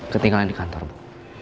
ketinggalan di kantor bu